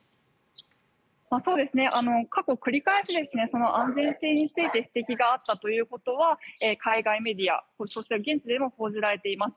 過去、繰り返し安全性について指摘があったということは海外メディア、そして現地でも報じられています。